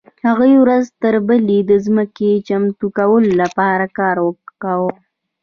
هغوی ورځ تر بلې د ځمکې د چمتو کولو لپاره کار کاوه.